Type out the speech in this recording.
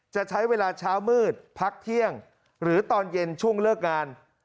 จะใช้เวลาเช้ามืดพักเที่ยงหรือตอนเย็นช่วงเลิกงาน